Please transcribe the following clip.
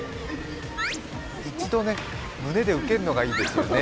一度胸で受けるのがいいですよね。